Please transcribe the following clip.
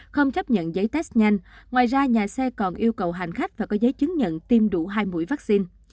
không chấp nhận giấy test nhanh ngoài ra nhà xe còn yêu cầu hành khách phải có giấy chứng nhận tiêm đủ hai mũi vaccine